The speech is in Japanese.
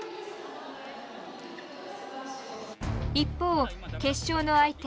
一方決勝の相手